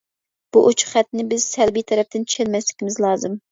بۇ ئوچۇق خەتنى بىز سەلبىي تەرەپتىن چۈشەنمەسلىكىمىز لازىم.